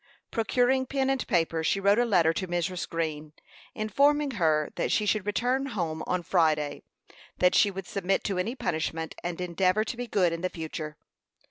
Procuring pen and paper, she wrote a letter to Mrs. Green, informing her that she should return home on Friday; that she would submit to any punishment, and endeavor to be good in the future.